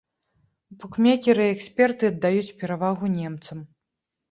Букмекеры і эксперты аддаюць перавагу немцам.